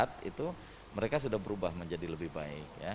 kita catat itu mereka sudah berubah menjadi lebih baik